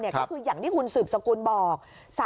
ก็คืออย่างที่คุณสืบสกุลบอก